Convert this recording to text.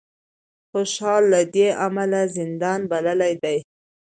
خوشال له دې امله زندان بللی دی